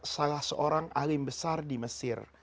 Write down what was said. salah seorang alim besar di mesir